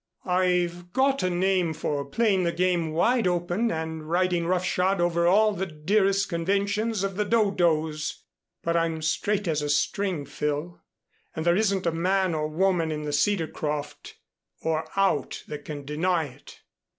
I've got a name for playing the game wide open and riding roughshod over all the dearest conventions of the dodos. But I'm straight as a string, Phil, and there isn't a man or woman in the Cedarcroft or out that can deny it."